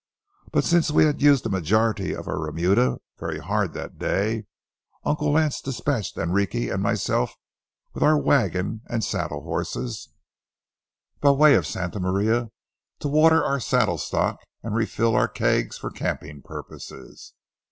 But since we had used the majority of our remuda very hard that day, Uncle Lance dispatched Enrique and myself, with our wagon and saddle horses, by way of Santa Maria, to water our saddle stock and refill our kegs for camping purposes.